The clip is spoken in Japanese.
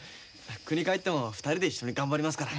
くにに帰っても２人で一緒に頑張りますから。